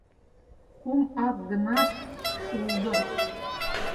— Кум ак гынат, шулдо!..